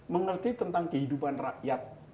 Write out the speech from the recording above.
mengerti tentang kehidupan rakyat